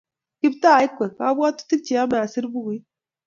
Kiptooo akwei kabwotutik che yamei aser bukuit